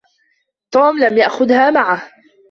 توم لم يأخذها معه.